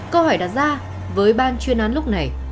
câu hỏi đặt ra với ban chuyên án lúc này